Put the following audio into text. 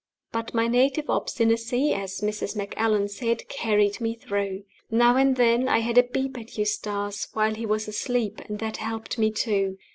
But my native obstinacy (as Mrs. Macallan said) carried me through. Now and then I had a peep at Eustace, while he was asleep; and that helped me too.